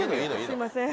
すいません。